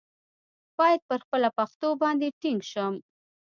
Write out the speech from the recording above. باید پر خپله پښتو باندې ټینګ شم.